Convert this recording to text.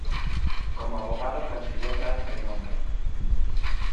Como abogado consiguió gran renombre.